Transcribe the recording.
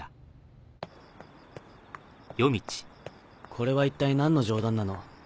これは一体何の冗談なの？